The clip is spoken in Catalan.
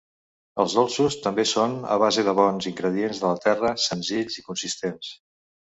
Els dolços també són a base de bons ingredients de la terra, senzills i consistents.